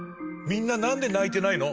みんな、なんで泣いてないの？